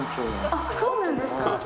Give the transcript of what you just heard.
あっそうなんですか！